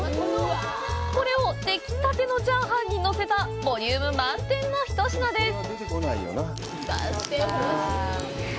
これをできたてチャーハンに載せたボリューム満点の一品です。